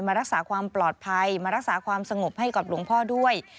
รักษาความปลอดภัยมารักษาความสงบให้กับหลวงพ่อด้วย